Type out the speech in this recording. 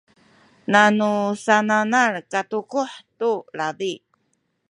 nanu sananal katukuh tu labi